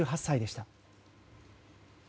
８８歳でした。